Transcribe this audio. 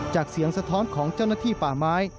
จากเสียงสะท้อนของเจ้าหน้าที่ป่าไม้